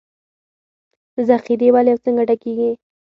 ذخیرې ولې او څنګه ډکېږي